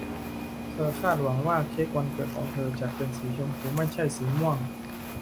เธอคาดหวังว่าเค้กวันเกิดของเธอจะเป็นสีชมพูไม่ใช่สีม่วง